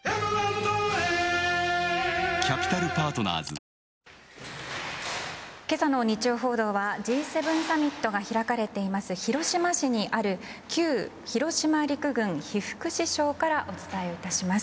ファミマの冷し麺けさの日曜報道はＧ７サミットが開かれている広島市にある旧広島陸軍被服支廠からお伝えいたします。